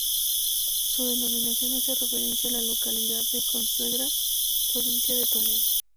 Su denominación hace referencia a la localidad de Consuegra, provincia de Toledo.